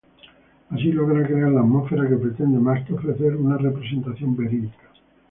Así logra crear la atmósfera que pretende, más que ofrecer una representación verídica.